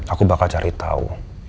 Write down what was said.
aku bakal cari tau